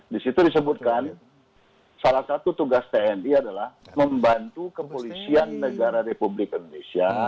di situ disebutkan salah satu tugas tni adalah membantu kepolisian negara republik indonesia